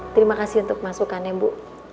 terima kasih untuk masukan ya bu